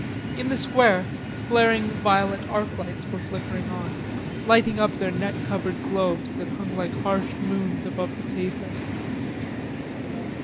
In the square, flaring violet arclights were flickering on, lighting up their net covered globes that hung like harsh moons above the pavement.